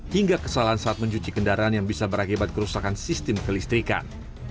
hingga kesalahan saat mencuci kendaraan yang bisa berakibat kerusakan sistem kelistrikan